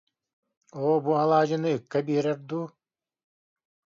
Оо, бу алаадьыны ыкка биэрэр дуу